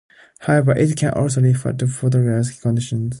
However, it can also refer to pathological conditions.